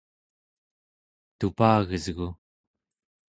tupagesgu